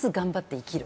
生きる。